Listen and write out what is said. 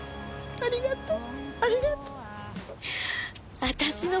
ああありがとう。